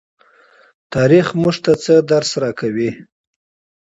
تاریخ موږ ته څه درس راکوي؟